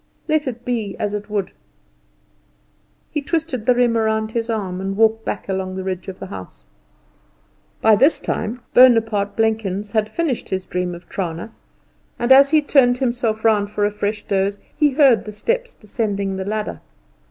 Let it be as it would. He twisted the riem round his arm and walked back along the ridge of the house. By this time Bonaparte Blenkins had finished his dream of Trana, and as he turned himself round for a fresh doze he heard the steps descending the ladder.